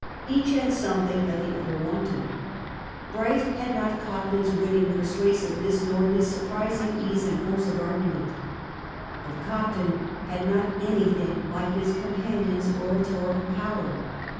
Each had something that the other wanted. Bright had not Cobden's winning persuasiveness nor his surprising ease and force of argument. But Cobden had not anything like his companion's oratorical power.